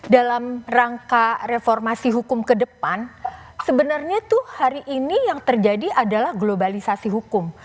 dalam rangka reformasi hukum ke depan sebenarnya tuh hari ini yang terjadi adalah globalisasi hukum